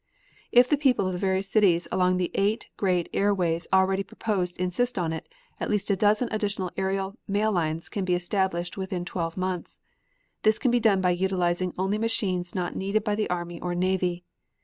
If the people of the various cities along the eight great air ways already proposed insist on it, at least a dozen additional aerial mail lines can be established within twelve months. This can be done by utilizing only machines not needed by the army or navy.